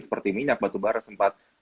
seperti minyak batu barat sempat